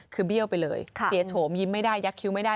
คือเบี้ยวไปเลยเสียโฉมยิ้มไม่ได้ยักษิ้วไม่ได้